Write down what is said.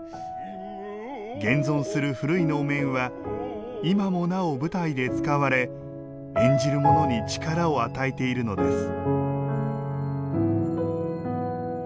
現存する古い能面は今もなお、舞台で使われ演じる者に力を与えているのです。